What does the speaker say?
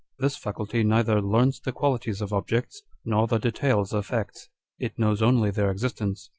This faculty neither learns the qualities of objects, nor the details of facts : it knows only their existence.